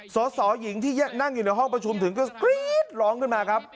สอสอหญิงที่นั่งอยู่ในห้องประชุมถึงก็กรี๊ดร้องขึ้นมาครับ